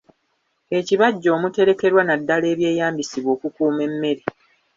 Ekibajje omuterekwa naddala ebyeyambisibwa okukuuma emmere.